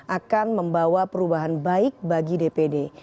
akan membawa perubahan baik bagi dpd